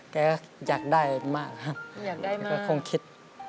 แกอยากได้มากแกคงคิด